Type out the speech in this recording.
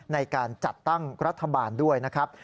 ในการจัดตั้งรัฐบาลด้วยนะครับ